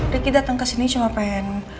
riki datang kesini cuma pengen